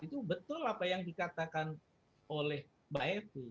itu betul apa yang dikatakan oleh mbak evi